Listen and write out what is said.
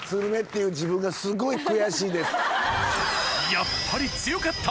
やっぱり強かった！